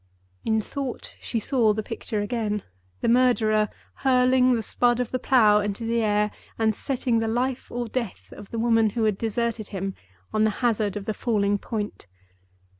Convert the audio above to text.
In thought, she saw the picture again—the murderer hurling the Spud of the plow into the air, and setting the life or death of the woman who had deserted him on the hazard of the falling point.